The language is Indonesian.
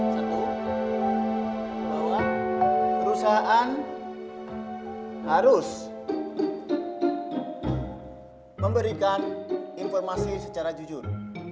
satu bahwa perusahaan harus memberikan informasi secara jujur